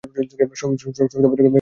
শক্ত পাথর কেটে কোনো গড়ন বানানোর নাম কী?